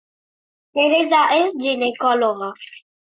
Teresa és ginecòloga